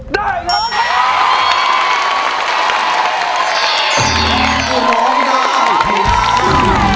ได้หรือเปล่า